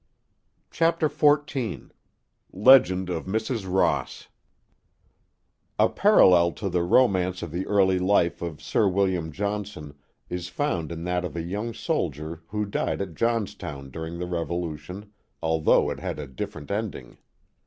Chapter XIV Legend of Mrs. Ross A PARALLEL to the romance of tht William Johnson is found in that of a young soldier who died at Johnstown during the Revolution, although it had a different ending.